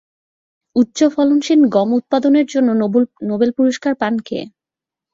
উচ্চ ফলনশীল গম উৎপাদনের জন্য নোবেল পুরস্কার পান কে?